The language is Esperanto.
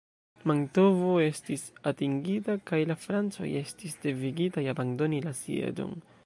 Mantovo estis atingita kaj la Francoj estis devigitaj abandoni la sieĝon.